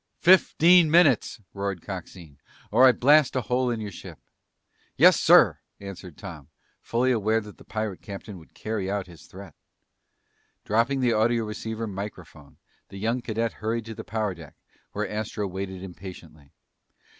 "Fifteen minutes," roared Coxine, "or I blast a hole in your ship!" "Yes, sir!" answered Tom, fully aware that the pirate captain would carry out his threat. Dropping the audioceiver microphone, the young cadet hurried to the power deck, where Astro waited impatiently.